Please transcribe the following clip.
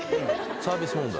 サービス問題